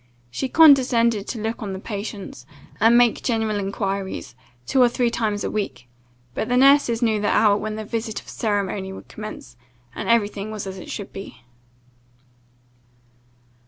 She condescended to look on the patients, and make general enquiries, two or three times a week; but the nurses knew the hour when the visit of ceremony would commence, and every thing was as it should be.